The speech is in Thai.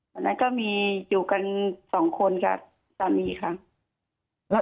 วันนั้นก็มีอยู่กันสองคนกับสามีค่ะ